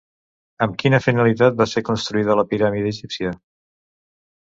Amb quina finalitat va ser construïda la piràmide egípcia?